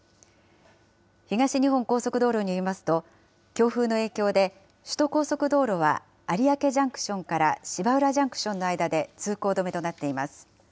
東日本高速道路によりますと、強風の影響で、首都高速道路は有明ジャンクションから芝浦ジャンクションの間で通行止めとなっています。